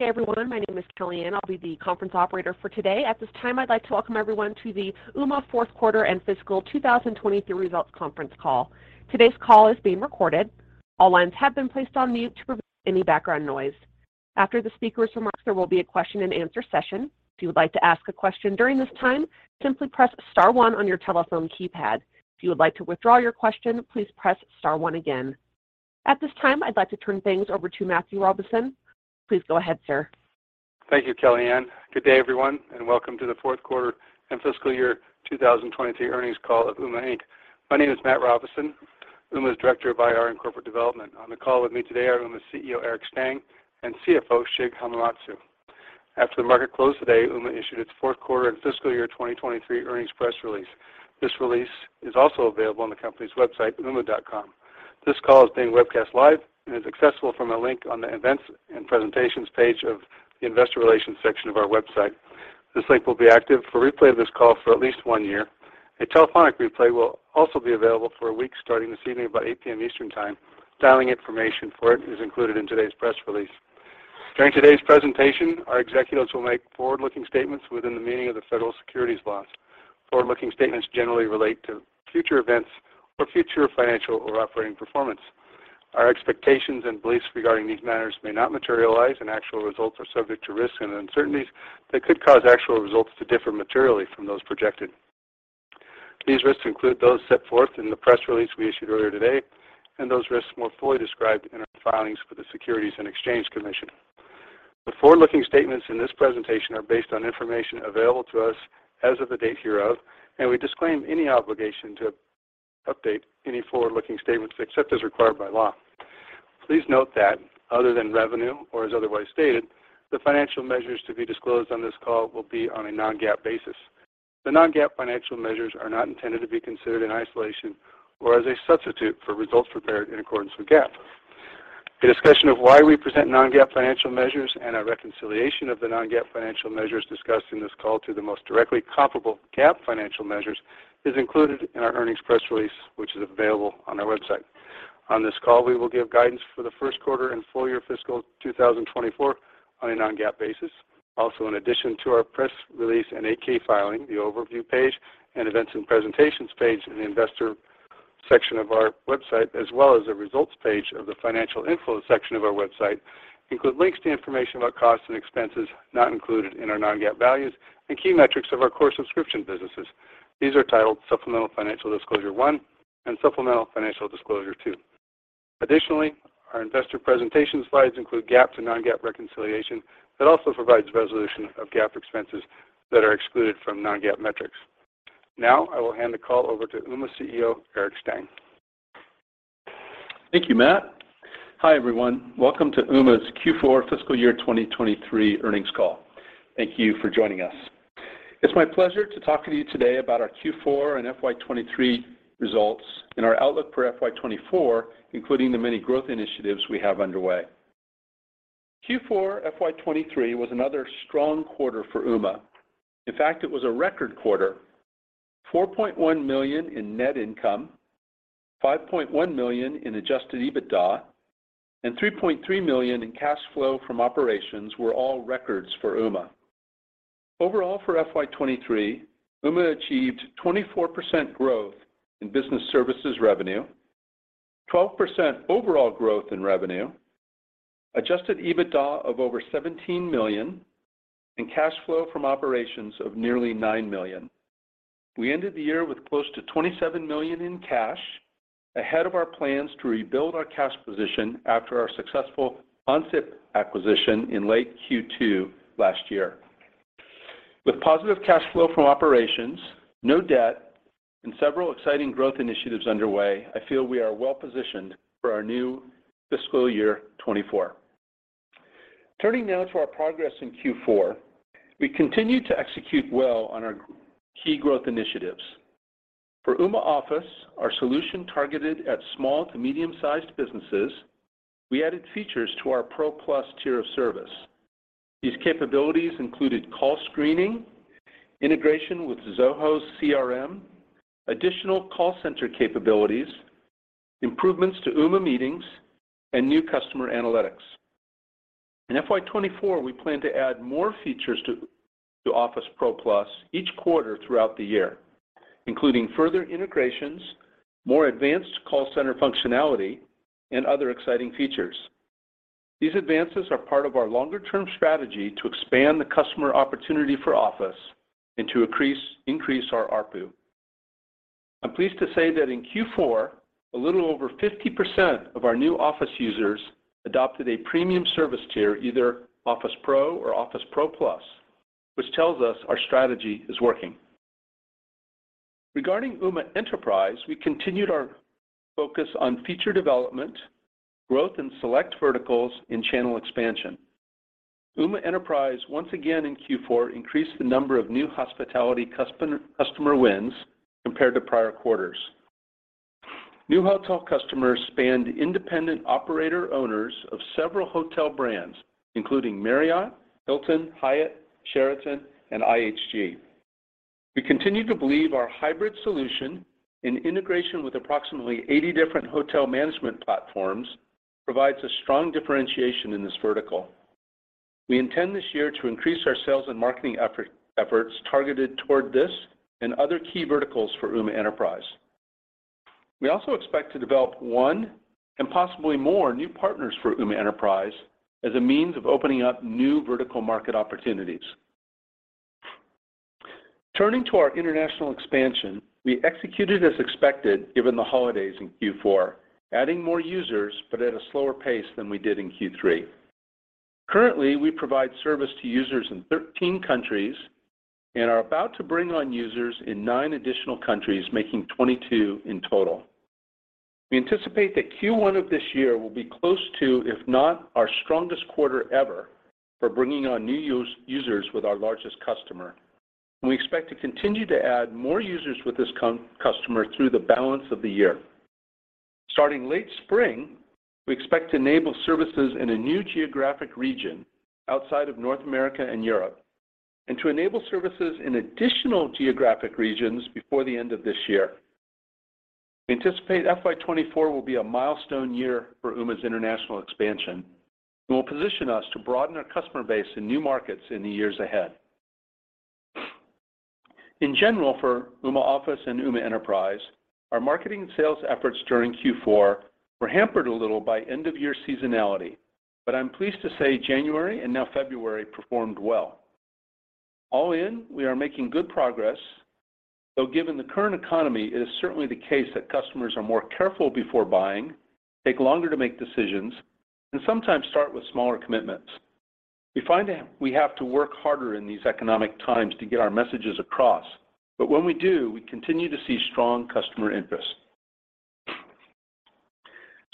Hey everyone, my name is Kylian. I'll be the conference operator for today. At this time, I'd like to welcome everyone to the Ooma fourth quarter and fiscal 2023 results conference call. Today's call is being recorded. All lines have been placed on mute to prevent any background noise. After the speaker's remarks, there will be a question and answer session. If you would like to ask a question during this time, simply press star one on your telephone keypad. If you would like to withdraw your question, please press star one again. At this time, I'd like to turn things over to Matthew Robison. Please go ahead, sir. Thank you, Kylian. Good day everyone, welcome to the fourth quarter and fiscal year 2023 earnings call at Ooma, Inc.. My name is Matt Robison, Ooma's Director of IR and Corporate Development. On the call with me today are Ooma's CEO, Eric Stang, and CFO, Shig Hamamatsu. After the market closed today, Ooma issued its fourth quarter and fiscal year 2023 earnings press release. This release is also available on the company's website, ooma.com. This call is being webcast live and is accessible from a link on the Events and Presentations page of the Investor Relations section of our website. This link will be active for replay of this call for at least one year. A telephonic replay will also be available for a week starting this evening by 8:00 P.M. Eastern Time. Dialing information for it is included in today's press release. During today's presentation, our executives will make forward-looking statements within the meaning of the federal securities laws. Forward-looking statements generally relate to future events or future financial or operating performance. Our expectations and beliefs regarding these matters may not materialize and actual results are subject to risks and uncertainties that could cause actual results to differ materially from those projected. These risks include those set forth in the press release we issued earlier today, and those risks more fully described in our filings for the Securities and Exchange Commission. The forward-looking statements in this presentation are based on information available to us as of the date hereof, and we disclaim any obligation to update any forward-looking statements except as required by law. Please note that other than revenue or as otherwise stated, the financial measures to be disclosed on this call will be on a non-GAAP basis. The non-GAAP financial measures are not intended to be considered in isolation or as a substitute for results prepared in accordance with GAAP. A discussion of why we present non-GAAP financial measures and a reconciliation of the non-GAAP financial measures discussed in this call to the most directly comparable GAAP financial measures is included in our earnings press release, which is available on our website. On this call, we will give guidance for the first quarter and full year fiscal 2024 on a non-GAAP basis. Also, in addition to our press release and 8-K filing, the overview page and events and presentations page in the investor section of our website, as well as the results page of the financial info section of our website include links to information about costs and expenses not included in our non-GAAP values and key metrics of our core subscription businesses. These are titled Supplemental Financial Disclosure 1 and Supplemental Financial Disclosure 2. Additionally, our investor presentation slides include GAAP to non-GAAP reconciliation that also provides resolution of GAAP expenses that are excluded from non-GAAP metrics. Now I will hand the call over to Ooma CEO, Eric Stang. Thank you, Matt. Hi everyone. Welcome to Ooma's Q4 fiscal year 2023 earnings call. Thank you for joining us. It's my pleasure to talk to you today about our Q4 and FY 2023 results and our outlook for FY 2024, including the many growth initiatives we have underway. Q4 FY 2023 was another strong quarter for Ooma. In fact, it was a record quarter. $4.1 million in net income, $5.1 million in adjusted EBITDA, and $3.3 million in cash flow from operations were all records for Ooma. Overall, for FY 2023, Ooma achieved 24% growth in business services revenue, 12% overall growth in revenue, adjusted EBITDA of over $17 million, and cash flow from operations of nearly $9 million. We ended the year with close to $27 million in cash, ahead of our plans to rebuild our cash position after our successful OnSIP acquisition in late Q2 last year. With positive cash flow from operations, no debt, and several exciting growth initiatives underway, I feel we are well-positioned for our new fiscal year 2024. Turning now to our progress in Q4, we continued to execute well on our key growth initiatives. For Ooma Office, our solution targeted at small to medium-sized businesses, we added features to our Pro Plus tier of service. These capabilities included call screening, integration with Zoho CRM, additional call center capabilities, improvements to Ooma Meetings, and new customer analytics. In FY 2024, we plan to add more features to Office Pro Plus each quarter throughout the year, including further integrations, more advanced call center functionality, and other exciting features. These advances are part of our longer-term strategy to expand the customer opportunity for Office and to increase our ARPU. I'm pleased to say that in Q4, a little over 50% of our new Office users adopted a premium service tier, either Office Pro or Office Pro Plus, which tells us our strategy is working. Regarding Ooma Enterprise, we continued our focus on feature development, growth in select verticals, and channel expansion. Ooma Enterprise once again in Q4 increased the number of new hospitality customer wins compared to prior quarters. New hotel customers spanned independent operator owners of several hotel brands, including Marriott, Hilton, Hyatt, Sheraton, and IHG. We continue to believe our hybrid solution in integration with approximately 80 different hotel management platforms provides a strong differentiation in this vertical. We intend this year to increase our sales and marketing efforts targeted toward this and other key verticals for Ooma Enterprise. We also expect to develop 1 and possibly more new partners for Ooma Enterprise as a means of opening up new vertical market opportunities. Turning to our international expansion, we executed as expected given the holidays in Q4, adding more users but at a slower pace than we did in Q3. Currently, we provide service to users in 13 countries and are about to bring on users in 9 additional countries, making 22 in total. We anticipate that Q1 of this year will be close to, if not our strongest quarter ever for bringing on new users with our largest customer, and we expect to continue to add more users with this customer through the balance of the year. Starting late spring, we expect to enable services in a new geographic region outside of North America and Europe, and to enable services in additional geographic regions before the end of this year. We anticipate FY 2024 will be a milestone year for Ooma's international expansion and will position us to broaden our customer base in new markets in the years ahead. In general, for Ooma Office and Ooma Enterprise, our marketing and sales efforts during Q4 were hampered a little by end-of-year seasonality, but I'm pleased to say January and now February performed well. All in, we are making good progress, though given the current economy, it is certainly the case that customers are more careful before buying, take longer to make decisions, and sometimes start with smaller commitments. We find that we have to work harder in these economic times to get our messages across. When we do, we continue to see strong customer interest.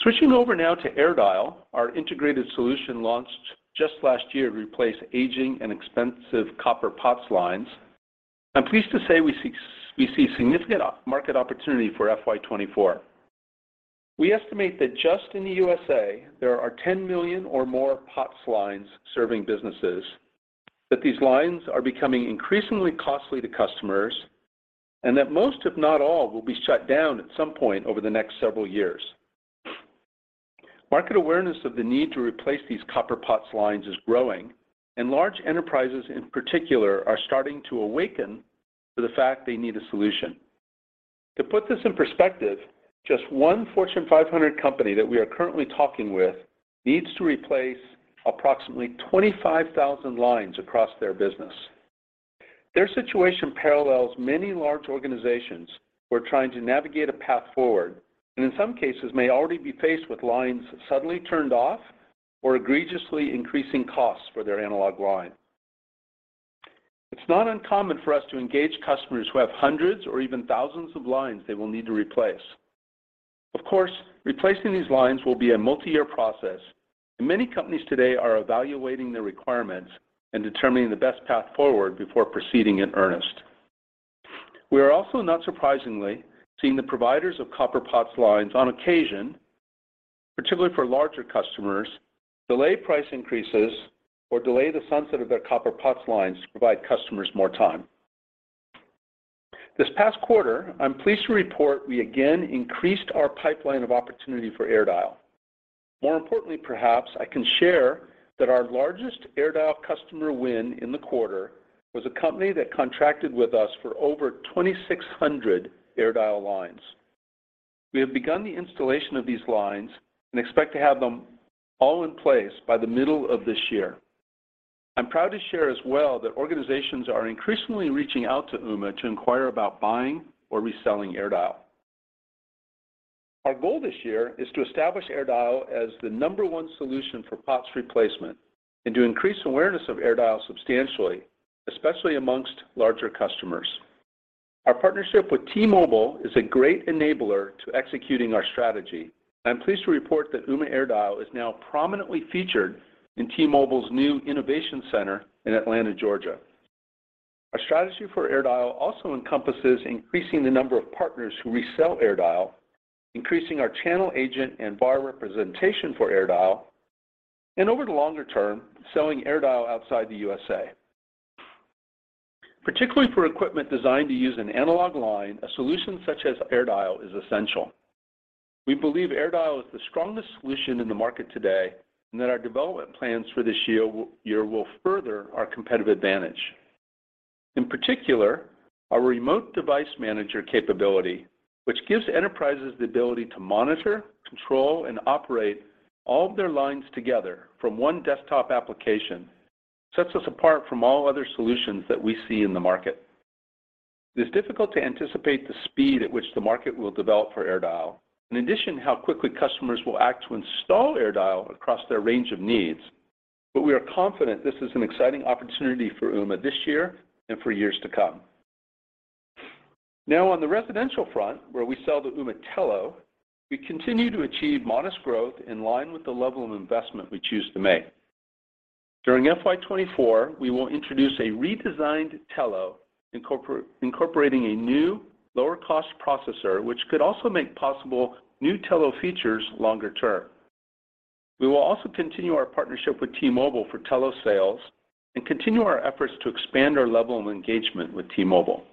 Switching over now to AirDial, our integrated solution launched just last year to replace aging and expensive copper POTS lines, I'm pleased to say we see significant market opportunity for FY 2024. We estimate that just in the USA, there are 10 million or more POTS lines serving businesses, that these lines are becoming increasingly costly to customers, and that most, if not all, will be shut down at some point over the next several years. Market awareness of the need to replace these copper POTS lines is growing, and large enterprises in particular are starting to awaken to the fact they need a solution. To put this in perspective, just one Fortune 500 company that we are currently talking with needs to replace approximately 25,000 lines across their business. Their situation parallels many large organizations who are trying to navigate a path forward, and in some cases may already be faced with lines suddenly turned off or egregiously increasing costs for their analog line. It's not uncommon for us to engage customers who have hundreds or even thousands of lines they will need to replace. Of course, replacing these lines will be a multi-year process, and many companies today are evaluating their requirements and determining the best path forward before proceeding in earnest. We are also, not surprisingly, seeing the providers of copper POTS lines on occasion, particularly for larger customers, delay price increases or delay the sunset of their copper POTS lines to provide customers more time. This past quarter, I'm pleased to report we again increased our pipeline of opportunity for AirDial. More importantly perhaps, I can share that our largest AirDial customer win in the quarter was a company that contracted with us for over 2,600 AirDial lines. We have begun the installation of these lines and expect to have them all in place by the middle of this year. I'm proud to share as well that organizations are increasingly reaching out to Ooma to inquire about buying or reselling AirDial. Our goal this year is to establish AirDial as the number one solution for POTS replacement and to increase awareness of AirDial substantially, especially amongst larger customers. Our partnership with T-Mobile is a great enabler to executing our strategy. I'm pleased to report that Ooma AirDial is now prominently featured in T-Mobile's new innovation center in Atlanta, Georgia. Our strategy for AirDial also encompasses increasing the number of partners who resell AirDial, increasing our channel agent and VAR representation for AirDial, and over the longer term, selling AirDial outside the USA. Particularly for equipment designed to use an analog line, a solution such as AirDial is essential. We believe AirDial is the strongest solution in the market today, and that our development plans for this year will further our competitive advantage. In particular, our remote device manager capability, which gives enterprises the ability to monitor, control, and operate all of their lines together from one desktop application, sets us apart from all other solutions that we see in the market. It is difficult to anticipate the speed at which the market will develop for AirDial. In addition, how quickly customers will act to install AirDial across their range of needs. We are confident this is an exciting opportunity for Ooma this year and for years to come. On the residential front, where we sell the Ooma Telo, we continue to achieve modest growth in line with the level of investment we choose to make. During FY 2024, we will introduce a redesigned Telo incorporating a new lower cost processor, which could also make possible new Telo features longer term. We will also continue our partnership with T-Mobile for Telo sales and continue our efforts to expand our level of engagement with T-Mobile.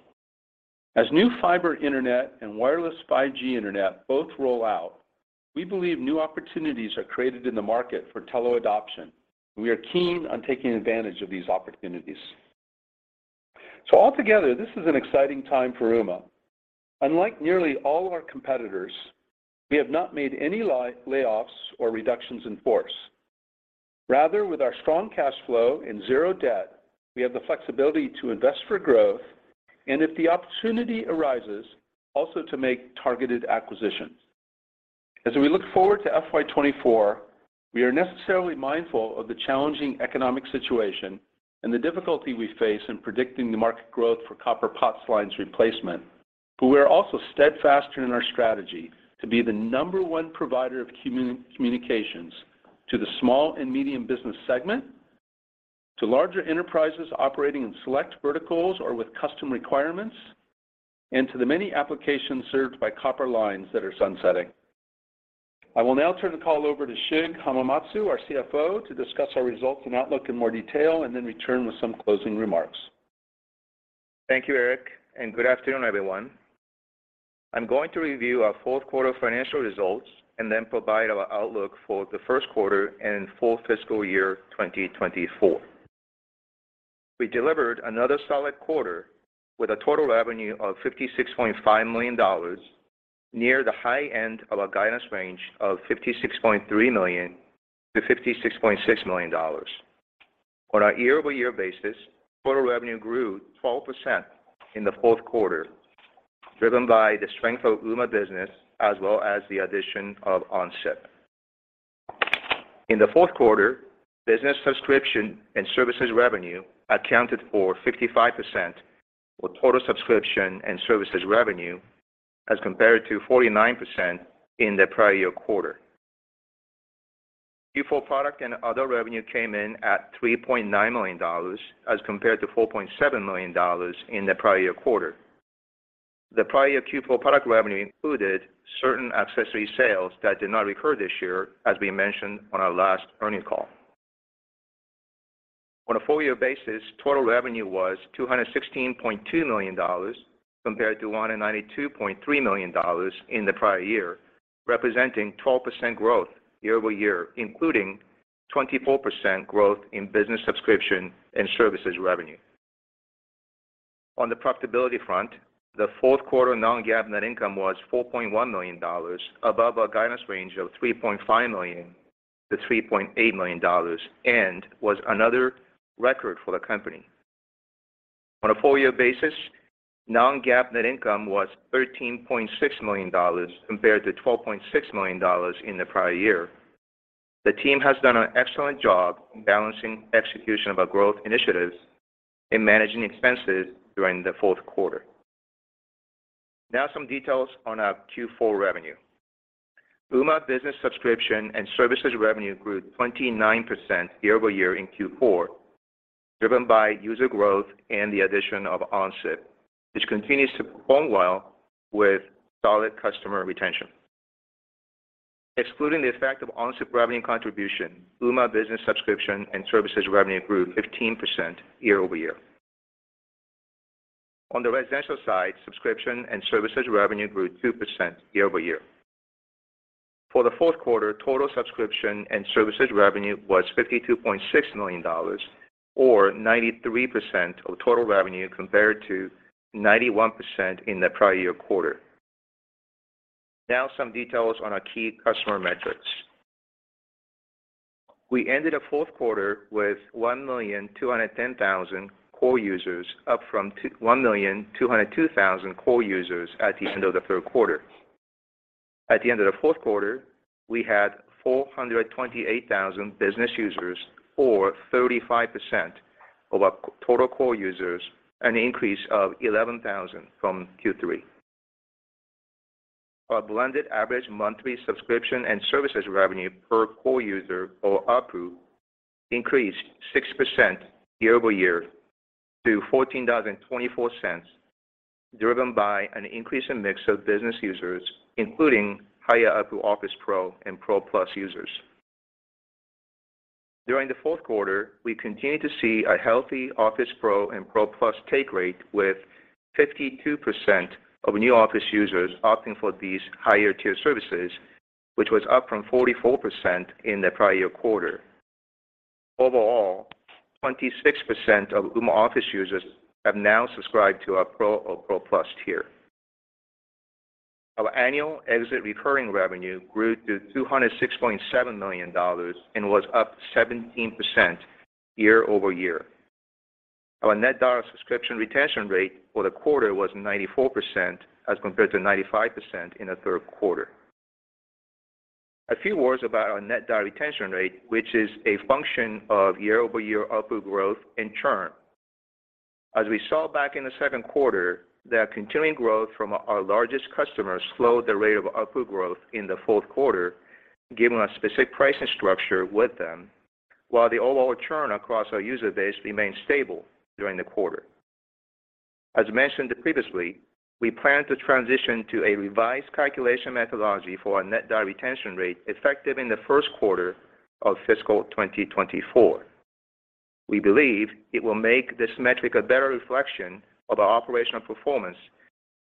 As new fiber internet and wireless 5G internet both roll out, we believe new opportunities are created in the market for Telo adoption, and we are keen on taking advantage of these opportunities. Altogether, this is an exciting time for Ooma. Unlike nearly all of our competitors, we have not made any layoffs or reductions in force. Rather, with our strong cash flow and zero debt, we have the flexibility to invest for growth and if the opportunity arises, also to make targeted acquisitions. As we look forward to FY 2024, we are necessarily mindful of the challenging economic situation and the difficulty we face in predicting the market growth for copper POTS lines replacement. We are also steadfast in our strategy to be the number one provider of communications to the small and medium business segment, to larger enterprises operating in select verticals or with custom requirements, and to the many applications served by copper lines that are sunsetting. I will now turn the call over to Shig Hamamatsu, our CFO, to discuss our results and outlook in more detail and then return with some closing remarks. Thank you, Eric, and good afternoon, everyone. I'm going to review our fourth quarter financial results and then provide our outlook for the first quarter and full fiscal year 2024. We delivered another solid quarter with a total revenue of $56.5 million, near the high end of our guidance range of $56.3 million-$56.6 million. On a year-over-year basis, total revenue grew 12% in the fourth quarter, driven by the strength of Ooma Business as well as the addition of OnSIP. In the fourth quarter, business subscription and services revenue accounted for 55% of total subscription and services revenue as compared to 49% in the prior year quarter. Q4 product and other revenue came in at $3.9 million as compared to $4.7 million in the prior year quarter. The prior year Q4 product revenue included certain accessory sales that did not recur this year, as we mentioned on our last earnings call. On a full year basis, total revenue was $216.2 million compared to $192.3 million in the prior year, representing 12% growth year-over-year, including 24% growth in business subscription and services revenue. On the profitability front, the fourth quarter non-GAAP net income was $4.1 million above our guidance range of $3.5 million-$3.8 million and was another record for the company. On a full year basis, non-GAAP net income was $13.6 million compared to $12.6 million in the prior year. Some details on our Q4 revenue. Ooma Business subscription and services revenue grew 29% year-over-year in Q4, driven by user growth and the addition of OnSIP, which continues to perform well with solid customer retention. Excluding the effect of OnSIP revenue contribution, Ooma Business subscription and services revenue grew 15% year-over-year. On the residential side, subscription and services revenue grew 2% year-over-year. For the fourth quarter, total subscription and services revenue was $52.6 million or 93% of total revenue compared to 91% in the prior year quarter. Some details on our key customer metrics. We ended the fourth quarter with 1,210,000 core users, up from 1,202,000 core users at the end of the third quarter. At the end of the fourth quarter, we had 428,000 business users or 35% of our co-total core users, an increase of 11,000 from Q3. Our blended average monthly subscription and services revenue per core user or ARPU increased 6% year-over-year to $14.24, driven by an increase in mix of business users, including higher ARPU Office Pro and Pro+ users. During the fourth quarter, we continued to see a healthy Office Pro and Pro+ take rate with 52% of new Office users opting for these higher tier services, which was up from 44% in the prior year quarter. Overall, 26% of Ooma Office users have now subscribed to our Pro or Pro+ tier. Our annual exit recurring revenue grew to $206.7 million and was up 17% year-over-year. Our net dollar subscription retention rate for the quarter was 94% as compared to 95% in the third quarter. A few words about our net dollar retention rate, which is a function of year-over-year ARPU growth and churn. As we saw back in the second quarter, the continuing growth from our largest customers slowed the rate of ARPU growth in the fourth quarter, given our specific pricing structure with them, while the overall churn across our user base remained stable during the quarter. As mentioned previously, we plan to transition to a revised calculation methodology for our net dollar retention rate effective in the first quarter of fiscal 2024. We believe it will make this metric a better reflection of our operational performance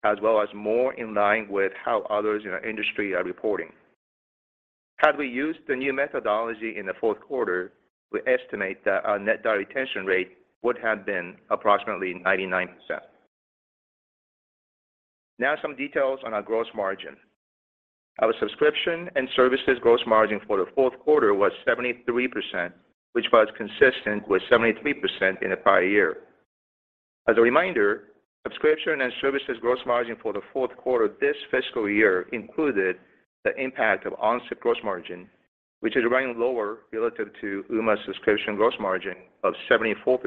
as well as more in line with how others in our industry are reporting. Had we used the new methodology in the fourth quarter, we estimate that our net dollar subscription retention rate would have been approximately 99%. Some details on our gross margin. Our subscription and services gross margin for the fourth quarter was 73%, which was consistent with 73% in the prior year. As a reminder, subscription and services gross margin for the fourth quarter this fiscal year included the impact of OnSIP gross margin, which is running lower relative to Ooma's subscription gross margin of 74%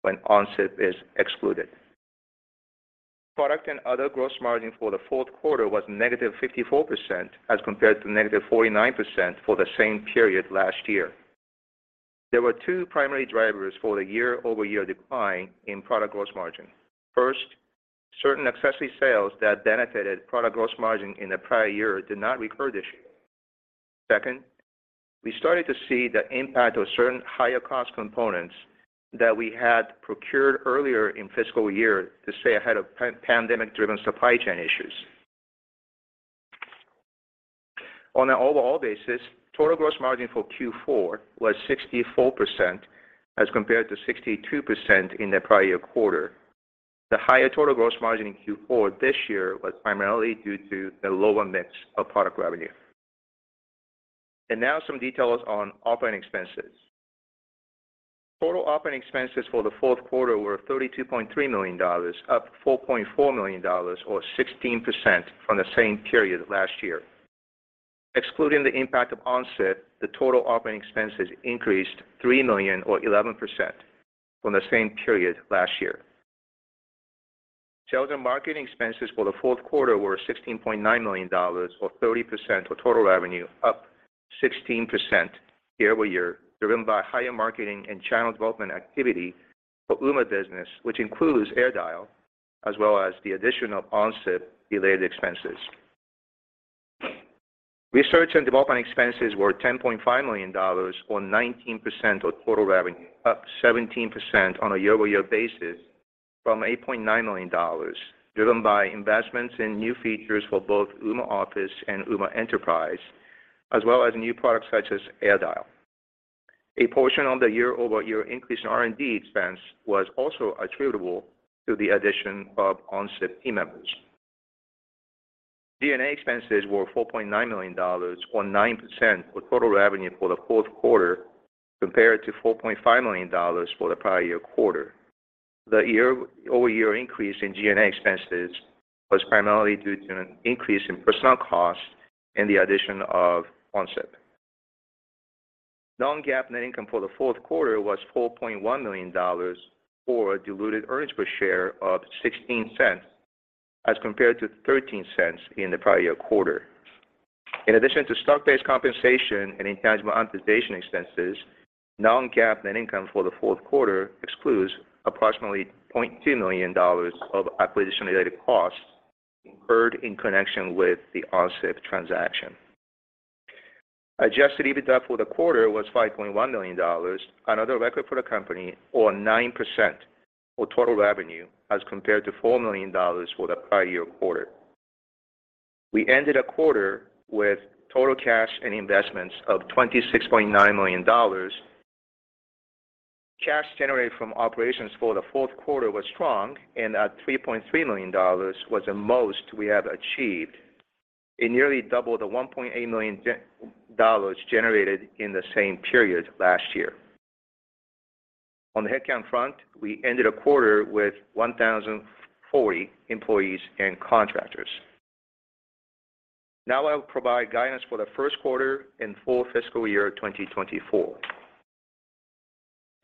when OnSIP is excluded. Product and other gross margin for the fourth quarter was negative 54% as compared to negative 49% for the same period last year. There were two primary drivers for the year-over-year decline in product gross margin. First, certain accessory sales that benefited product gross margin in the prior year did not recur this year. Second, we started to see the impact of certain higher cost components that we had procured earlier in fiscal year to stay ahead of pandemic driven supply chain issues. On an overall basis, total gross margin for Q4 was 64% as compared to 62% in the prior year quarter. The higher total gross margin in Q4 this year was primarily due to the lower mix of product revenue. Now some details on operating expenses. Total operating expenses for the fourth quarter were $32.3 million, up $4.4 million or 16% from the same period last year. Excluding the impact of OnSIP, the total operating expenses increased $3 million or 11% from the same period last year. Sales and marketing expenses for the fourth quarter were $16.9 million, or 30% of total revenue, up 16% year-over-year, driven by higher marketing and channel development activity for Ooma Business, which includes AirDial, as well as the addition of OnSIP related expenses. Research and development expenses were $10.5 million or 19% of total revenue, up 17% on a year-over-year basis from $8.9 million, driven by investments in new features for both Ooma Office and Ooma Enterprise, as well as new products such as AirDial. A portion of the year-over-year increase in R&D expense was also attributable to the addition of OnSIP team members. G&A expenses were $4.9 million or 9% of total revenue for the fourth quarter, compared to $4.5 million for the prior year quarter. The year-over-year increase in G&A expenses was primarily due to an increase in personnel costs and the addition of OnSIP. Non-GAAP net income for the fourth quarter was $4.1 million or diluted earnings per share of $0.16, as compared to $0.13 in the prior year quarter. In addition to stock-based compensation and intangible amortization expenses, non-GAAP net income for the fourth quarter excludes approximately $0.2 million of acquisition-related costs incurred in connection with the OnSIP transaction. Adjusted EBITDA for the quarter was $5.1 million, another record for the company, or 9% of total revenue, as compared to $4 million for the prior year quarter. We ended the quarter with total cash and investments of $26.9 million. Cash generated from operations for the fourth quarter was strong and at $3.3 million was the most we have achieved. It nearly doubled the $1.8 million dollars generated in the same period last year. On the headcount front, we ended the quarter with 1,040 employees and contractors. Now I'll provide guidance for the first quarter and full fiscal year 2024.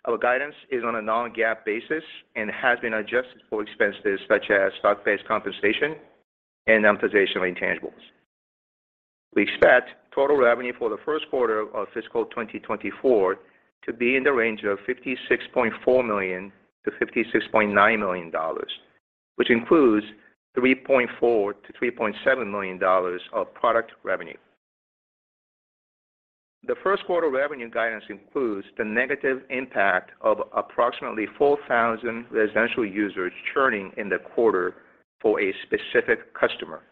Our guidance is on a non-GAAP basis and has been adjusted for expenses such as stock-based compensation and amortization of intangibles. We expect total revenue for the first quarter of fiscal 2024 to be in the range of $56.4 million-$56.9 million, which includes $3.4 million-$3.7 million of product revenue. The first quarter revenue guidance includes the negative impact of approximately 4,000 residential users churning in the quarter for a specific customer.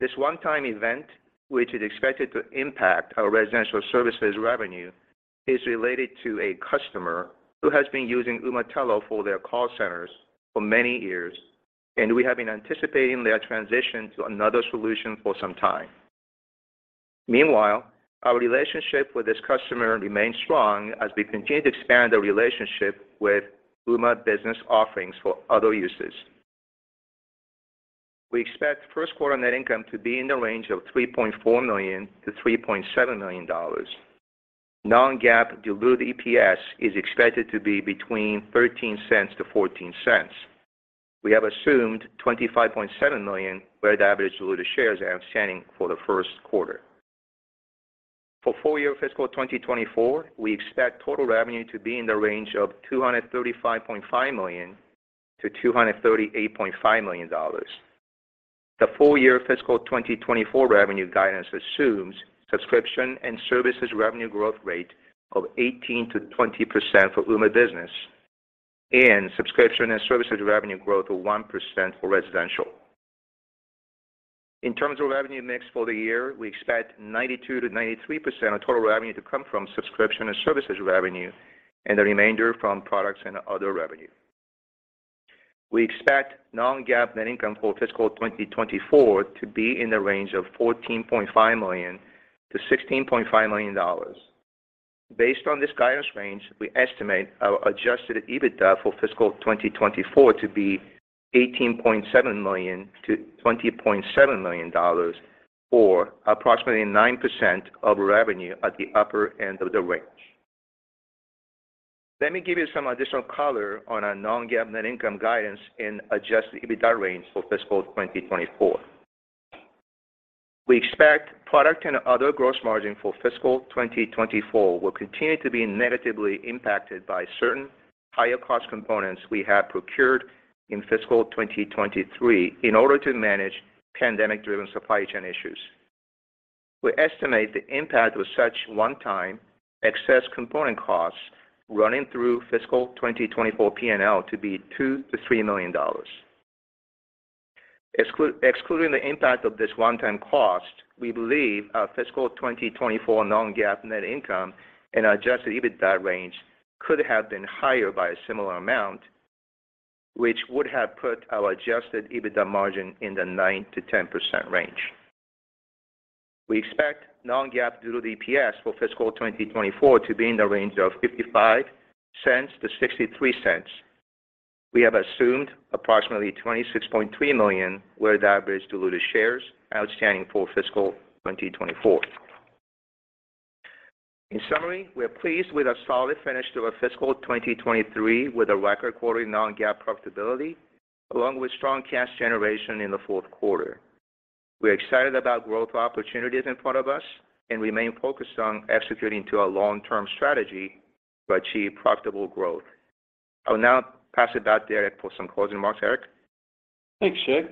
This one-time event, which is expected to impact our residential services revenue, is related to a customer who has been using Ooma Telo for their call centers for many years, and we have been anticipating their transition to another solution for some time. Meanwhile, our relationship with this customer remains strong as we continue to expand the relationship with Ooma Business offerings for other uses. We expect first quarter net income to be in the range of $3.4 million-$3.7 million. Non-GAAP diluted EPS is expected to be between $0.13-$0.14. We have assumed $25.7 million weighted average diluted shares outstanding for the first quarter. For full year fiscal 2024, we expect total revenue to be in the range of $235.5 million-$238.5 million. The full year fiscal 2024 revenue guidance assumes subscription and services revenue growth rate of 18%-20% for Ooma Business and subscription and services revenue growth of 1% for residential. In terms of revenue mix for the year, we expect 92%-93% of total revenue to come from subscription and services revenue, and the remainder from products and other revenue. We expect non-GAAP net income for fiscal 2024 to be in the range of $14.5 million-$16.5 million. Based on this guidance range, we estimate our adjusted EBITDA for fiscal 2024 to be $18.7 million-$20.7 million or approximately 9% of revenue at the upper end of the range. Let me give you some additional color on our non-GAAP net income guidance and adjusted EBITDA range for fiscal 2024. We expect product and other gross margin for fiscal 2024 will continue to be negatively impacted by certain higher cost components we have procured in fiscal 2023 in order to manage pandemic-driven supply chain issues. We estimate the impact of such one-time excess component costs running through fiscal 2024 P&L to be $2 million-$3 million. Excluding the impact of this one-time cost, we believe our fiscal 2024 non-GAAP net income and adjusted EBITDA range could have been higher by a similar amount, which would have put our adjusted EBITDA margin in the 9%-10% range. We expect non-GAAP diluted EPS for fiscal 2024 to be in the range of $0.55-$0.63. We have assumed approximately 26.3 million weighted average diluted shares outstanding for fiscal 2024. In summary, we are pleased with our solid finish to our fiscal 2023 with a record quarter non-GAAP profitability along with strong cash generation in the fourth quarter. We're excited about growth opportunities in front of us and remain focused on executing to our long-term strategy to achieve profitable growth. I will now pass it back to Eric for some closing remarks. Eric? Thanks, Shig.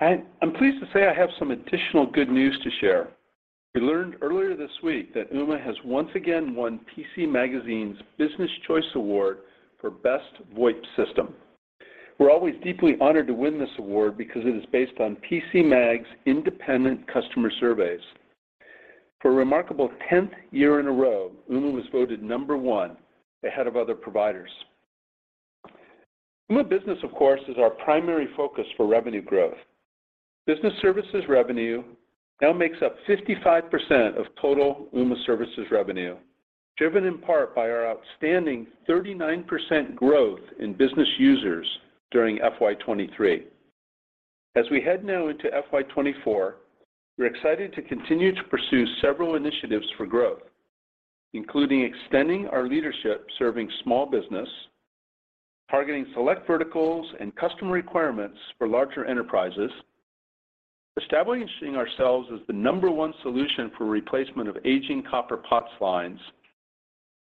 I'm pleased to say I have some additional good news to share. We learned earlier this week that Ooma has once again won PCMag's Business Choice Award for Best VoIP System. We're always deeply honored to win this award because it is based on PCMag's independent customer surveys. For a remarkable 10th year in a row, Ooma was voted number 1 ahead of other providers. Ooma Business, of course, is our primary focus for revenue growth. Business services revenue now makes up 55% of total Ooma services revenue, driven in part by our outstanding 39% growth in business users during FY 2023. As we head now into FY 2024, we're excited to continue to pursue several initiatives for growth, including extending our leadership serving small business, targeting select verticals and customer requirements for larger enterprises, establishing ourselves as the number one solution for replacement of aging copper POTS lines,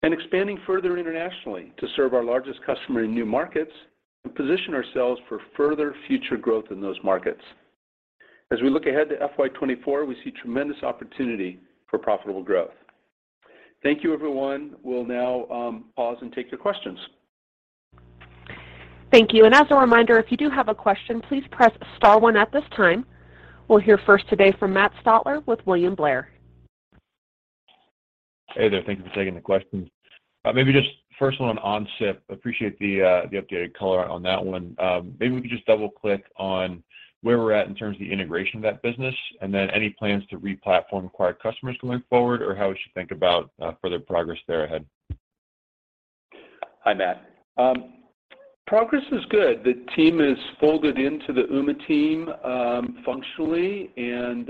and expanding further internationally to serve our largest customer in new markets and position ourselves for further future growth in those markets. As we look ahead to FY 2024, we see tremendous opportunity for profitable growth. Thank you, everyone. We'll now pause and take your questions. Thank you. As a reminder, if you do have a question, please press star one at this time. We'll hear first today from Matt Stotler with William Blair. Hey there. Thank you for taking the questions. Maybe just first one on OnSIP. Appreciate the updated color on that one. Maybe we could just double-click on where we're at in terms of the integration of that business and then any plans to replatform acquired customers going forward or how we should think about further progress there ahead. Hi, Matt. Progress is good. The team is folded into the Ooma team, functionally, and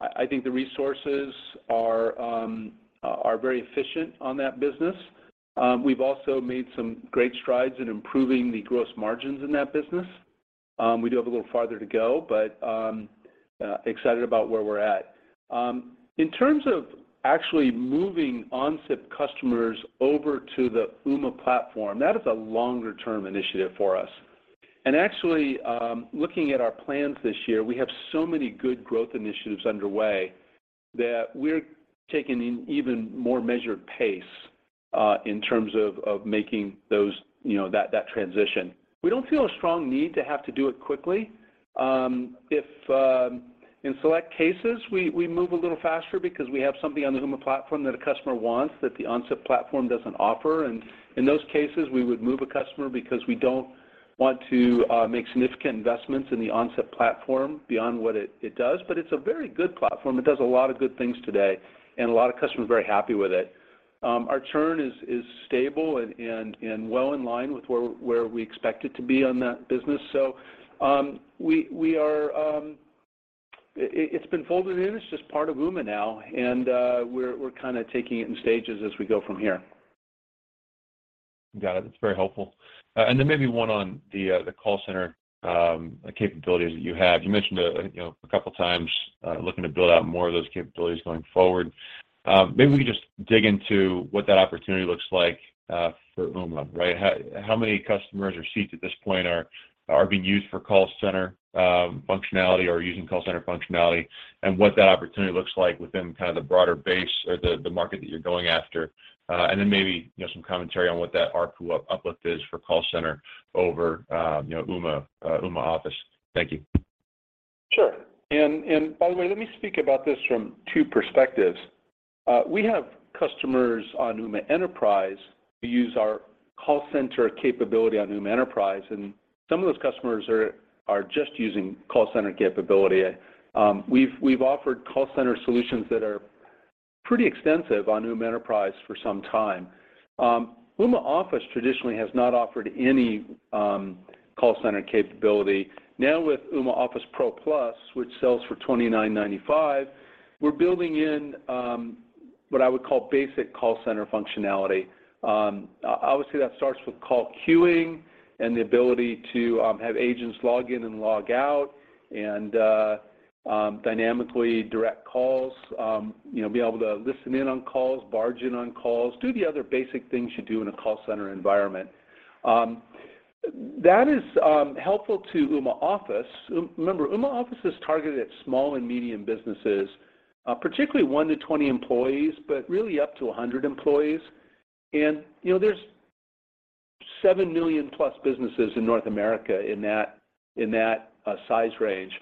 I think the resources are very efficient on that business. We've also made some great strides in improving the gross margins in that business. We do have a little farther to go, but excited about where we're at. In terms of actually moving OnSIP customers over to the Ooma platform, that is a longer-term initiative for us. Actually, looking at our plans this year, we have so many good growth initiatives underway that we're taking an even more measured pace in terms of making those, you know, that transition. We don't feel a strong need to have to do it quickly. If, in select cases, we move a little faster because we have something on the Ooma platform that a customer wants that the OnSIP platform doesn't offer, and in those cases, we would move a customer because we don't want to make significant investments in the OnSIP platform beyond what it does, but it's a very good platform. It does a lot of good things today, and a lot of customers are very happy with it. Our churn is stable and well in line with where we expect it to be on that business. It's been folded in. It's just part of Ooma now, and we're kinda taking it in stages as we go from here. Got it. That's very helpful. Then maybe one on the call center capabilities that you have. You mentioned it, you know, a couple of times, looking to build out more of those capabilities going forward. Maybe we can just dig into what that opportunity looks like for Ooma, right? How many customers or seats at this point are being used for call center functionality or using call center functionality, and what that opportunity looks like within kind of the broader base or the market that you're going after. Then maybe, you know, some commentary on what that ARPU uplift is for call center over, you know, Ooma Office. Thank you. Sure. By the way, let me speak about this from two perspectives. We have customers on Ooma Enterprise who use our call center capability on Ooma Enterprise, and some of those customers are just using call center capability. We've offered call center solutions that are pretty extensive on Ooma Enterprise for some time. Ooma Office traditionally has not offered any call center capability. Now, with Ooma Office Pro Plus, which sells for $29.95, we're building in what I would call basic call center functionality. Obviously, that starts with call queuing and the ability to have agents log in and log out and dynamically direct calls, you know, be able to listen in on calls, barge in on calls, do the other basic things you do in a call center environment. That is helpful to Ooma Office. Remember, Ooma Office is targeted at small and medium businesses, particularly 1 to 20 employees, but really up to 100 employees. You know, there's 7 million-plus businesses in North America in that size range.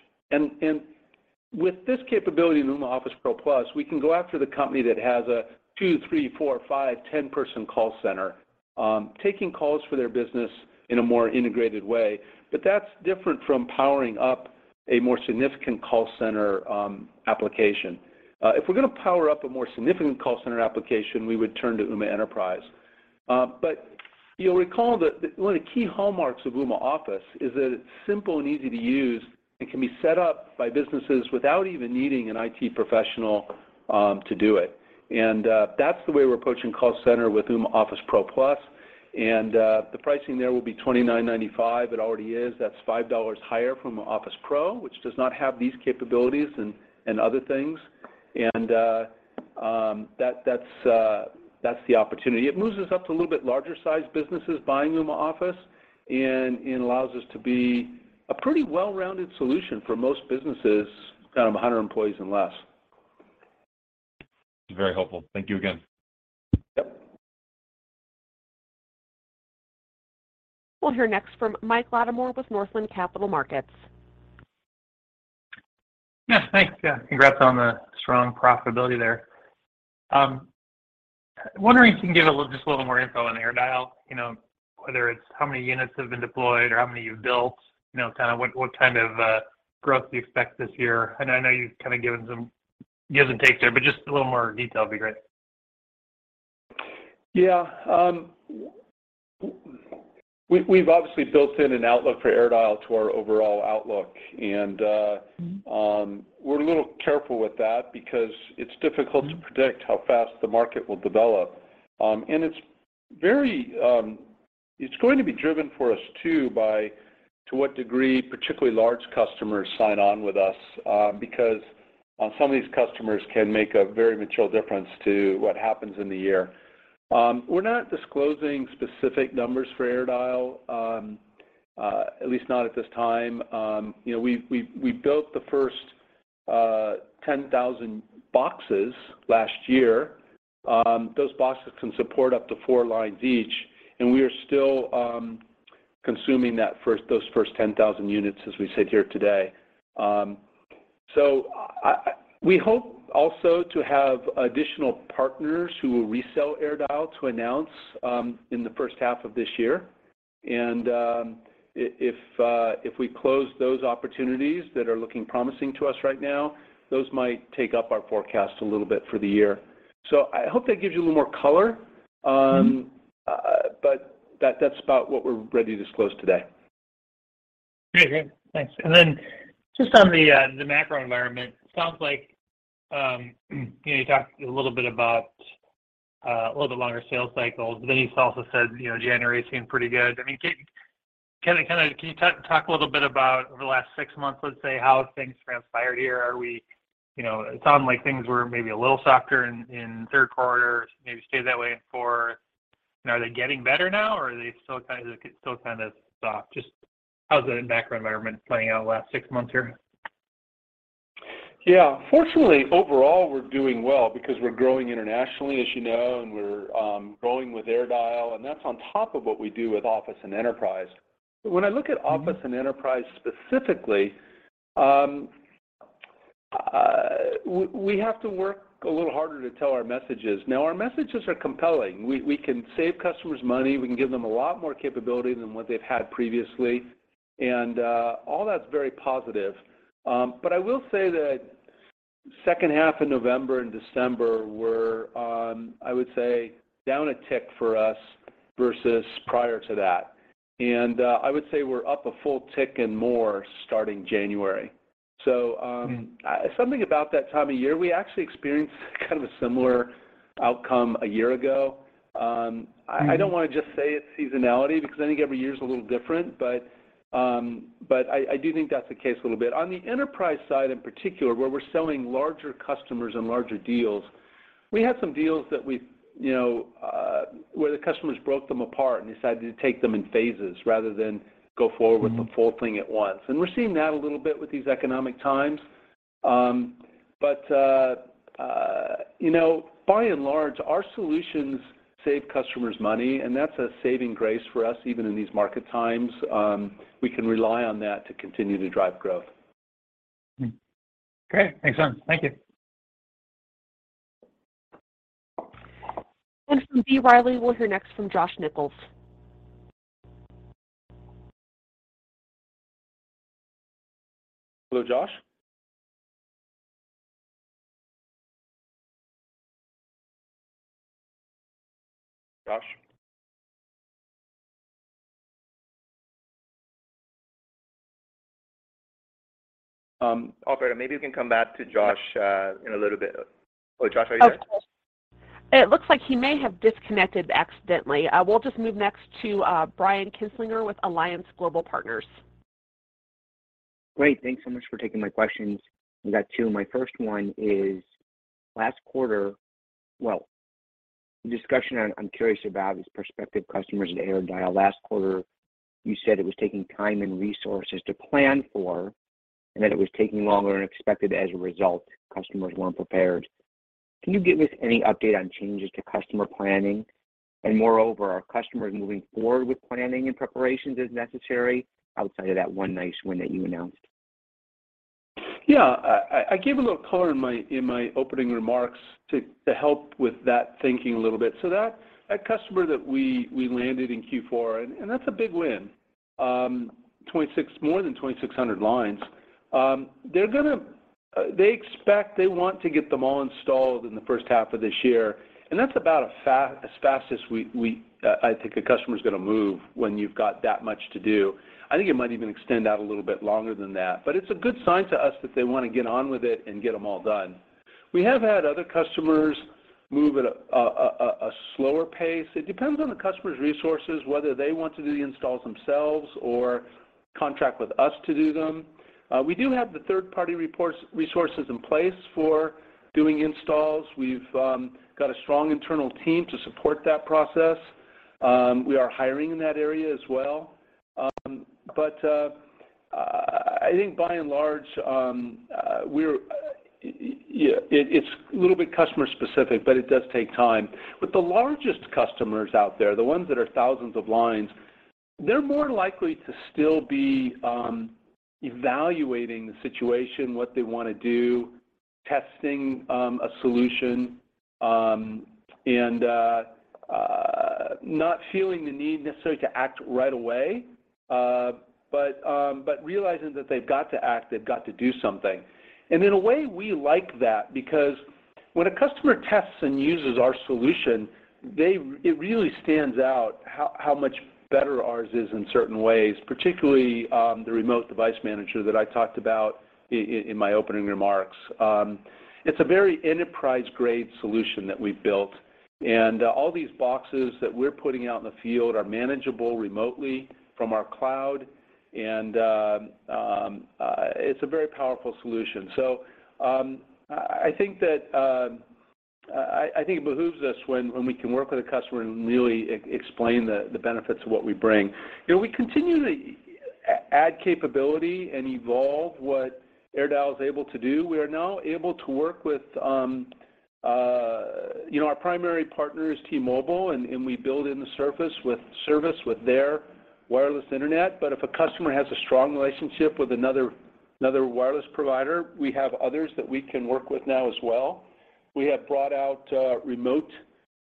With this capability in Ooma Office Pro Plus, we can go after the company that has a 2, 3, 4, 5, 10-person call center, taking calls for their business in a more integrated way. That's different from powering up a more significant call center application. If we're gonna power up a more significant call center application, we would turn to Ooma Enterprise. You'll recall that one of the key hallmarks of Ooma Office is that it's simple and easy to use and can be set up by businesses without even needing an IT professional to do it. That's the way we're approaching call center with Ooma Office Pro Plus. The pricing there will be $29.95. It already is. That's $5 higher from Office Pro, which does not have these capabilities and other things. That's the opportunity. It moves us up to a little bit larger-sized businesses buying Ooma Office and allows us to be a pretty well-rounded solution for most businesses kind of 100 employees and less. Very helpful. Thank you again. Yep. We'll hear next from Mike Latimore with Northland Capital Markets. Yes, thanks. Congrats on the strong profitability there. Wondering if you can give a little, just a little more info on AirDial, you know, whether it's how many units have been deployed or how many you've built, you know, what kind of growth do you expect this year? I know you've kind of given some gives and takes there, but just a little more detail would be great. Yeah. We've obviously built in an outlook for AirDial to our overall outlook a little careful with that because it's difficult to predict how fast the market will develop. It's going to be driven for us, too, by to what degree particularly large customers sign on with us because some of these customers can make a very material difference to what happens in the year. We're not disclosing specific numbers for AirDial at least not at this time. You know, we built the first 10,000 boxes last year. Those boxes can support up to 4 lines each, we are still consuming that first, those first 10,000 units as we sit here today. We hope also to have additional partners who will resell AirDial to announce in the first half of this year. If we close those opportunities that are looking promising to us right now, those might take up our forecast a little bit for the year. I hope that gives you a little more color, but that's about what we're ready to disclose today. Great. Great. Thanks. Just on the macro environment, sounds like, you know, you talked a little bit about a little bit longer sales cycles, you also said, you know, January's been pretty good. I mean, can you talk a little bit about over the last 6 months, let's say, how have things transpired here? Are we... It sounded like things were maybe a little softer in third quarter, maybe stayed that way in Q4. You know, are they getting better now, or are they still kind of soft? Just how's the macro environment playing out last 6 months here? Yeah. Fortunately, overall, we're doing well because we're growing internationally, as you know, and we're growing with AirDial, and that's on top of what we do with Office and Enterprise. When I look at Office Enterprise specifically, we have to work a little harder to tell our messages. Now, our messages are compelling. We can save customers money. We can give them a lot more capability than what they've had previously. All that's very positive. I will say that second half of November and December were, I would say, down a tick for us versus prior to that. I would say we're up a full tick and more starting January. Something about that time of year, we actually experienced kind of a similar outcome a year ago. I don't wanna just say it's seasonality because I think every year is a little different, but I do think that's the case a little bit. On the enterprise side, in particular, where we're selling larger customers and larger deals, we had some deals that we, you know, where the customers broke them apart and decided to take them in phases rather than go forward with the full thing at once. We're seeing that a little bit with these economic times. You know, by and large, our solutions save customers money, and that's a saving grace for us, even in these market times. We can rely on that to continue to drive growth. Great. Makes sense. Thank you. From B. Riley, we'll hear next from Josh Nichols. Hello, Josh? Operator, maybe you can come back to Josh in a little bit. Oh, Josh, are you there? It looks like he may have disconnected accidentally. We'll just move next to Brian Kinstlinger with Alliance Global Partners. Great. Thanks so much for taking my questions. I got two. My first one is, Well, the discussion I'm curious about is prospective customers at AirDial. Last quarter, you said it was taking time and resources to plan for, and that it was taking longer than expected. As a result, customers weren't prepared. Can you give us any update on changes to customer planning? Moreover, are customers moving forward with planning and preparations as necessary outside of that one nice win that you announced? Yeah. I gave a little color in my opening remarks to help with that thinking a little bit. That customer that we landed in Q4, and that's a big win. more than 2,600 lines. They expect they want to get them all installed in the first half of this year, and that's about a fast, as fast as we, I think a customer is gonna move when you've got that much to do. I think it might even extend out a little bit longer than that. It's a good sign to us that they wanna get on with it and get them all done. We have had other customers move at a slower pace. It depends on the customer's resources, whether they want to do the installs themselves or contract with us to do them. We do have the third-party resources in place for doing installs. We've got a strong internal team to support that process. We are hiring in that area as well. I think by and large, it's a little bit customer specific, but it does take time. The largest customers out there, the ones that are thousands of lines, they're more likely to still be evaluating the situation, what they wanna do, testing a solution, and not feeling the need necessarily to act right away, realizing that they've got to act, they've got to do something. In a way, we like that because when a customer tests and uses our solution, it really stands out how much better ours is in certain ways, particularly, the Remote Device Management that I talked about in my opening remarks. It's a very enterprise-grade solution that we've built, and all these boxes that we're putting out in the field are manageable remotely from our cloud, and it's a very powerful solution. I think that I think it behooves us when we can work with a customer and really explain the benefits of what we bring. You know, we continue to add capability and evolve what AirDial is able to do. We are now able to work with, you know, our primary partner is T-Mobile, we build in the service with their wireless internet. If a customer has a strong relationship with another wireless provider, we have others that we can work with now as well. We have brought out remote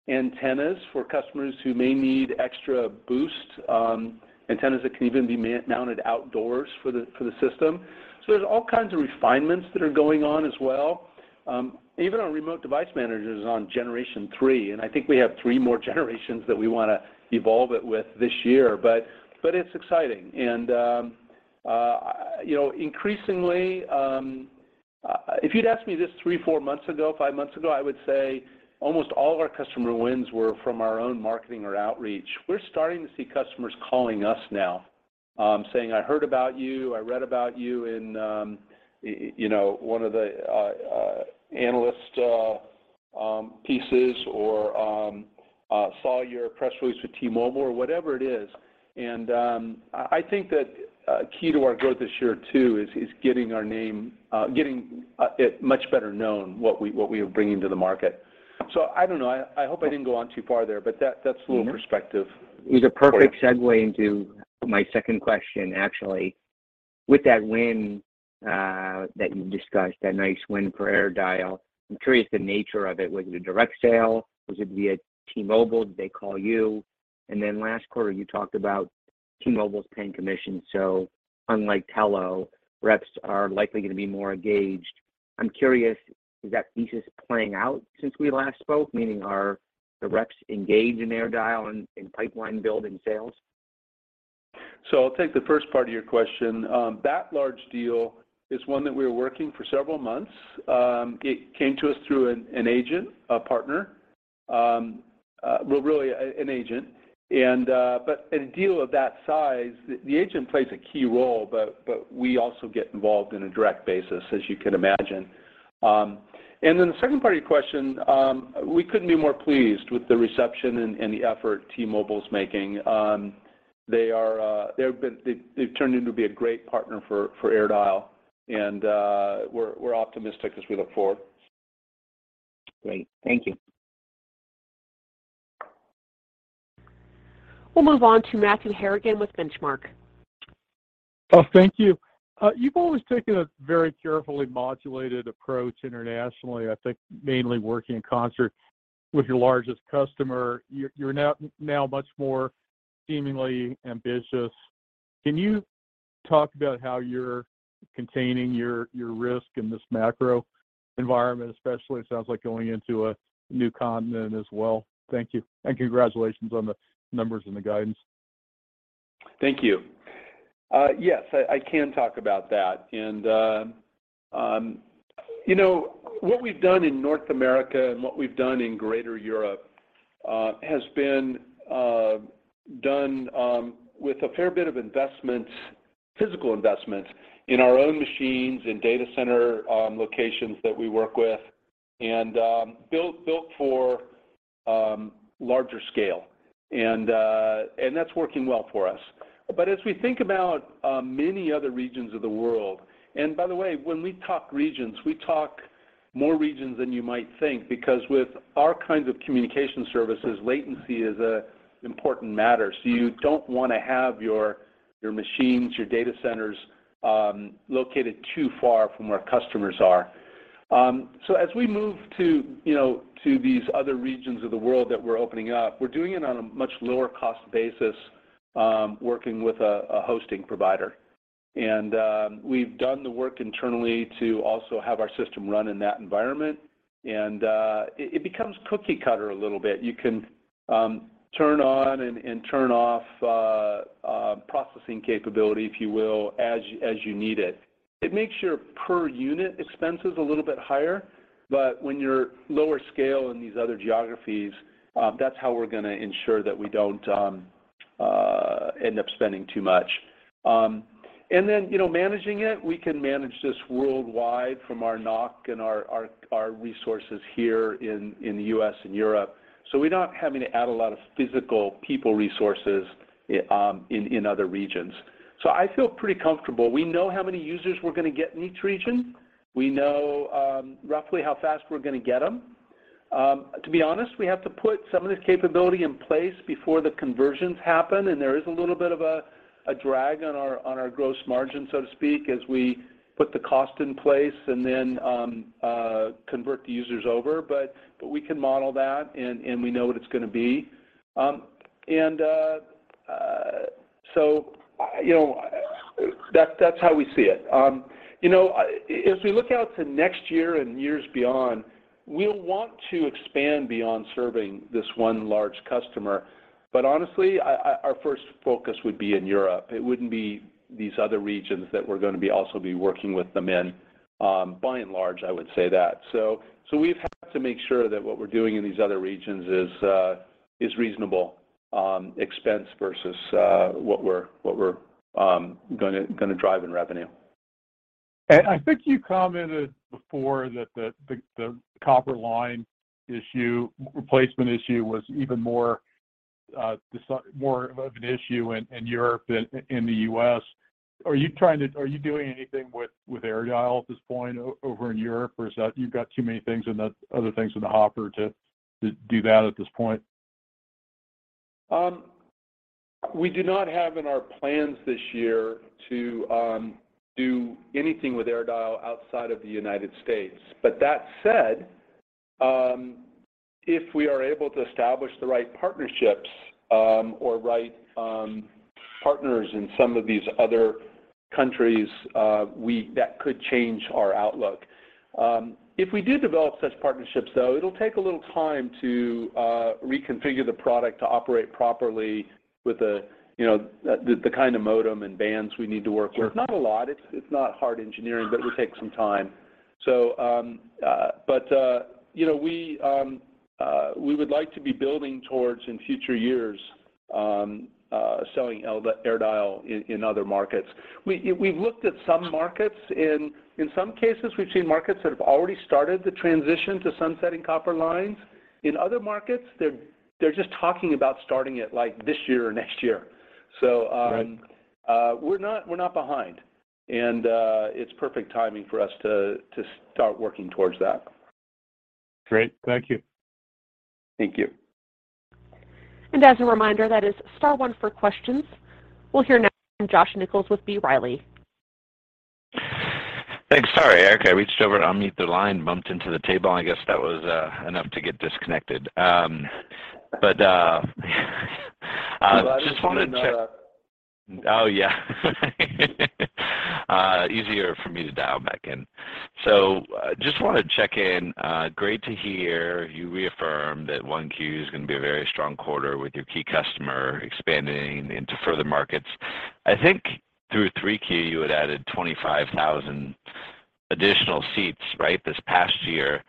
antennas for customers who may need extra boost, antennas that can even be mounted outdoors for the system. There's all kinds of refinements that are going on as well. Even on remote device managers on generation 3, and I think we have three more generations that we wanna evolve it with this year. It's exciting. You know, increasingly, if you'd asked me this three, four months ago, five months ago, I would say almost all of our customer wins were from our own marketing or outreach. We're starting to see customers calling us now, saying, "I heard about you, I read about you in, you know, one of the analyst pieces or saw your press release with T-Mobile," or whatever it is. I think that key to our growth this year, too, is getting our name, getting it much better known what we are bringing to the market. I don't know. I hope I didn't go on too far there, but that's a little perspective. It's a perfect segue into my second question, actually. With that win that you discussed, that nice win for AirDial, I'm curious the nature of it. Was it a direct sale? Was it via T-Mobile? Did they call you? Last quarter, you talked about T-Mobile's paying commission. Unlike Telo, reps are likely gonna be more engaged. I'm curious, is that thesis playing out since we last spoke, meaning are the reps engaged in AirDial and pipeline build and sales? I'll take the first part of your question. That large deal is one that we were working for several months. It came to us through an agent, a partner, well really, an agent and a deal of that size, the agent plays a key role, but we also get involved in a direct basis, as you can imagine. The second part of your question, we couldn't be more pleased with the reception and the effort T-Mobile's making. They've turned in to be a great partner for AirDial and we're optimistic as we look forward. Great. Thank you. We'll move on to Matthew Harrigan with Benchmark. Oh, thank you. You've always taken a very carefully modulated approach internationally, I think mainly working in concert with your largest customer. You're now much more seemingly ambitious. Can you talk about how you're containing your risk in this macro environment especially? It sounds like going into a new continent as well. Thank you, congratulations on the numbers and the guidance. Thank you. Yes, I can talk about that. You know, what we've done in North America and what we've done in Greater Europe has been done with a fair bit of investment, physical investment in our own machines and data center locations that we work with and built for larger scale, and that's working well for us. As we think about many other regions of the world... By the way, when we talk regions, we talk more regions than you might think because with our kinds of communication services, latency is a important matter, so you don't wanna have your machines, your data centers located too far from where customers are. As we move to, you know, to these other regions of the world that we're opening up, we're doing it on a much lower cost basis, working with a hosting provider. We've done the work internally to also have our system run in that environment, it becomes cookie cutter a little bit. You can turn on and turn off processing capability, if you will, as you need it. It makes your per unit expenses a little bit higher, but when you're lower scale in these other geographies, that's how we're gonna ensure that we don't end up spending too much. You know, managing it, we can manage this worldwide from our NOC and our resources here in the U.S. and Europe, so we're not having to add a lot of physical people resources in other regions. I feel pretty comfortable. We know how many users we're going to get in each region. We know roughly how fast we're going to get them. To be honest, we have to put some of the capability in place before the conversions happen, and there is a little bit of a drag on our gross margin, so to speak, as we put the cost in place and then convert the users over. We can model that and we know what it's going to be. You know, that's how we see it. You know, as we look out to next year and years beyond, we'll want to expand beyond serving this one large customer. Honestly, our first focus would be in Europe. It wouldn't be these other regions that we're gonna be also be working with them in. By and large, I would say that. We've had to make sure that what we're doing in these other regions is reasonable, expense versus, what we're, what we're, gonna drive in revenue. I think you commented before that the copper line issue, replacement issue was even more of an issue in Europe than in the US. Are you doing anything with AirDial at this point over in Europe, or is that you've got too many other things in the hopper to do that at this point? We do not have in our plans this year to do anything with AirDial outside of the United States. That said, if we are able to establish the right partnerships, or right partners in some of these other countries, that could change our outlook. If we do develop such partnerships, though, it'll take a little time to reconfigure the product to operate properly with a, you know, the kind of modem and bands we need to work with. It's not a lot. It's not hard engineering, but it will take some time. You know, we would like to be building towards, in future years, selling AirDial in other markets. We've looked at some markets. In some cases, we've seen markets that have already started the transition to sunsetting copper lines. In other markets, they're just talking about starting it, like, this year or next year. Right... we're not behind, and it's perfect timing for us to start working towards that. Great. Thank you. Thank you. As a reminder, that is star one for questions. We'll hear next from Josh Nichols with B. Riley. Thanks. Sorry, Eric, I reached over to unmute the line, bumped into the table, and I guess that was enough to get disconnected. Just wanted to check. Oh, yeah. Easier for me to dial back in. Just wanna check in, great to hear you reaffirm that 1Q is going to be a very strong quarter with your key customer expanding into further markets. I think through 3Q, you had added 25,000 additional seats, right, this past year.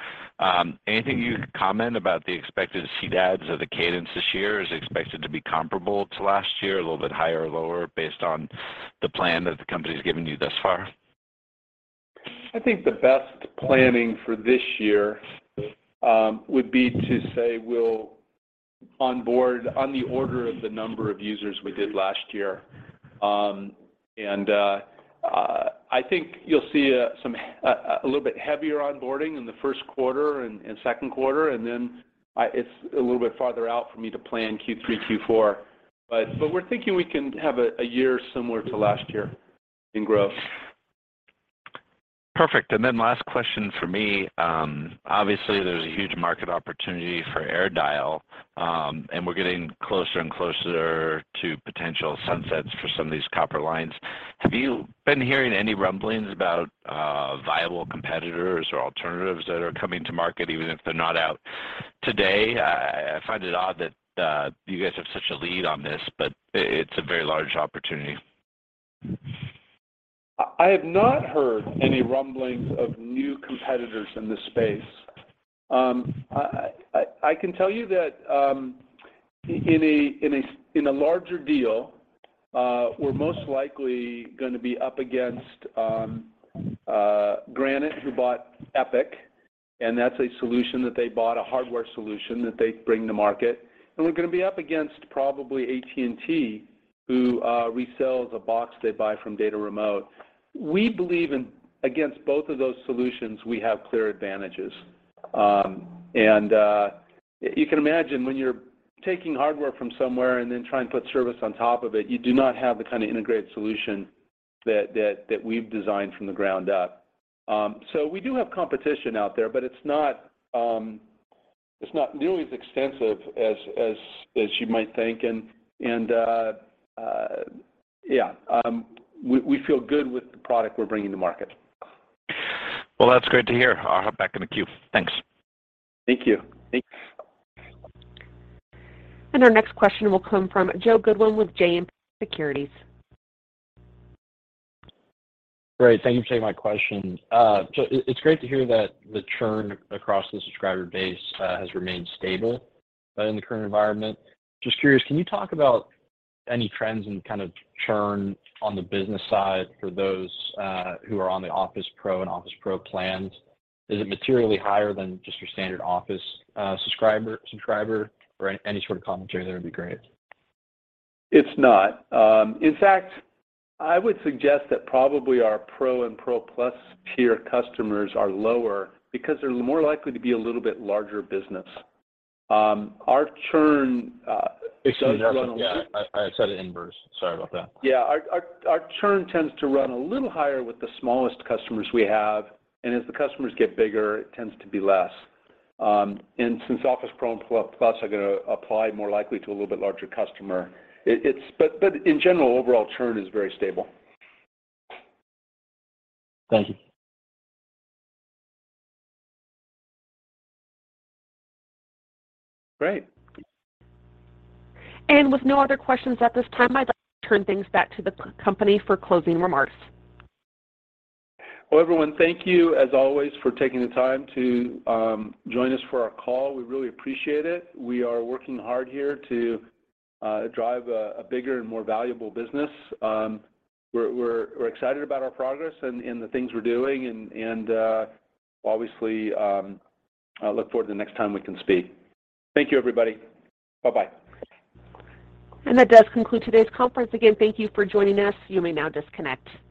Anything you can comment about the expected seat adds or the cadence this year? Is it expected to be comparable to last year, a little bit higher or lower based on the plan that the company's given you thus far? I think the best planning for this year would be to say we'll onboard on the order of the number of users we did last year. I think you'll see a little bit heavier onboarding in the first quarter and second quarter, and then It's a little bit farther out for me to plan Q3, Q4. We're thinking we can have a year similar to last year in growth. Perfect. Then last question from me. Obviously, there's a huge market opportunity for AirDial, and we're getting closer and closer to potential sunsets for some of these copper lines. Have you been hearing any rumblings about viable competitors or alternatives that are coming to market even if they're not out today? I find it odd that you guys have such a lead on this, but it's a very large opportunity. I have not heard any rumblings of new competitors in this space. I can tell you that in a larger deal, we're most likely gonna be up against Granite who bought EPIK, that's a solution that they bought, a hardware solution that they bring to market. We're gonna be up against probably AT&T, who resells a box they buy from DataRemote. We believe against both of those solutions, we have clear advantages. You can imagine when you're taking hardware from somewhere and then trying to put service on top of it, you do not have the kind of integrated solution that we've designed from the ground up. We do have competition out there, but it's not, it's not nearly as extensive as you might think. We feel good with the product we're bringing to market. Well, that's great to hear. I'll hop back in the queue. Thanks. Thank you. Thanks. Our next question will come from Joe Goodwin with JMP Securities. Great. Thank you for taking my question. It's great to hear that the churn across the subscriber base has remained stable in the current environment. Just curious, can you talk about any trends in kind of churn on the business side for those who are on the Office Pro and Office Pro plans? Is it materially higher than just your standard Ooma Office subscriber? Any sort of commentary there would be great. It's not. In fact, I would suggest that probably our Pro and Pro Plus tier customers are lower because they're more likely to be a little bit larger business. Our churn does run. Excuse me. Yeah, I said it inverse. Sorry about that. Yeah. Our churn tends to run a little higher with the smallest customers we have, and as the customers get bigger, it tends to be less. Since Office Pro and Plus are gonna apply more likely to a little bit larger customer, but in general, overall churn is very stable. Thank you. Great. With no other questions at this time, I'd like to turn things back to the company for closing remarks. Well, everyone, thank you as always for taking the time to join us for our call. We really appreciate it. We are working hard here to drive a bigger and more valuable business. We're excited about our progress and the things we're doing and obviously, look forward to the next time we can speak. Thank you, everybody. Bye-bye. That does conclude today's conference. Again, thank you for joining us. You may now disconnect.